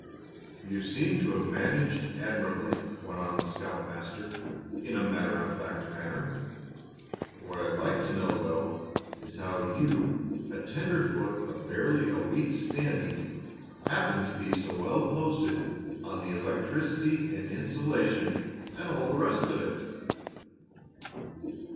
"You seem to have managed admirably," went on the scoutmaster, in a matter of face manner. "What I'd like to know, though, is how you, a tenderfoot of barely a week's standing, happened to be so well posted on electricity and insulation and all the rest of it?"